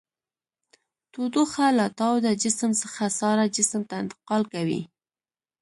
تودوخه له تاوده جسم څخه ساړه جسم ته انتقال کوي.